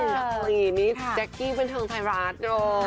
แจ๊กกี้แจ๊กกี้เป็นทางไทยรัฐ